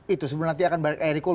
itu sebelah nanti akan balik eriko